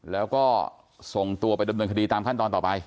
แล้วก็ส่งตัวไปดำเนินคดีตามขั้นตอนต่อไป